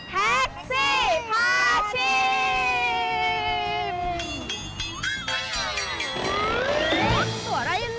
แท็กซี่พาชิม